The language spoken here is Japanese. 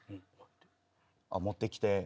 持ってきて。